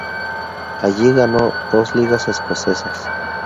Allí ganó dos Ligas escocesas.